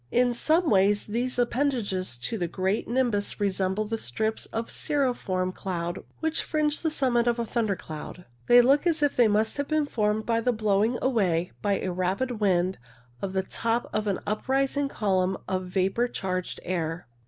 In some ways these appendages to the great nimbus resemble the strips of cirriform cloud which fringe the summit of a thunder cloud. They look as if they must have been formed by the blowing away, by a rapid wind, of the top of an uprising column of vapour charged air.